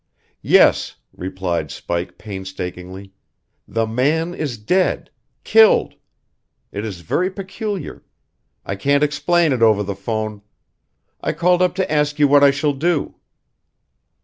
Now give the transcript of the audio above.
"Yes," repeated Spike painstakingly. "The man is dead killed. It is very peculiar. I can't explain over the phone. I called up to ask you what I shall do."